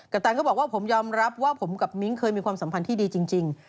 แตนก็บอกว่าผมยอมรับว่าผมกับมิ้งเคยมีความสัมพันธ์ที่ดีจริง